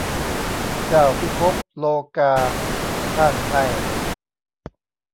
เจ้าพิภพโลกา ท่านให้